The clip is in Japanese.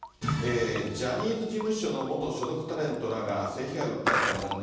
ジャニーズ事務所の元所属タレントらが性被害を訴えた問題。